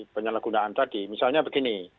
penyalahgunaan tadi misalnya begini